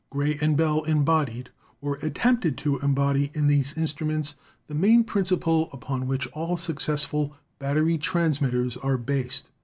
Gray and Bell embodied, or attempted to embody, in these instruments the main principle upon which all suc cessful battery transmitters are based.